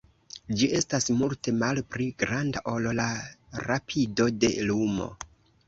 Ĝi estas multe malpli granda ol la rapido de lumo.